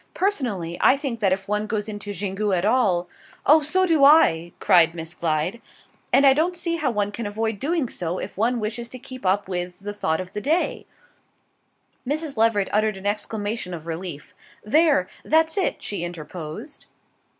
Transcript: Personally, I think that if one goes into Xingu at all " "Oh, so do I!" cried Miss Glyde. "And I don't see how one can avoid doing so, if one wishes to keep up with the Thought of the Day " Mrs. Leveret uttered an exclamation of relief. "There that's it!" she interposed.